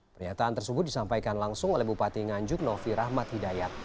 pernyataan tersebut disampaikan langsung oleh bupati nganjuk novi rahmat hidayat